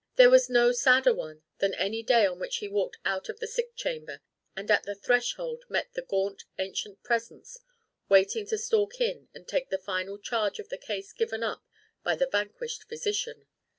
There was no sadder one than any day on which he walked out of the sick chamber and at the threshold met the gaunt ancient Presence, waiting to stalk in and take the final charge of the case given up by the vanquished physician.